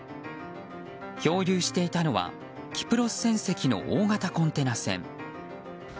漂流していたのはキプロス船籍の大型コンテナ船。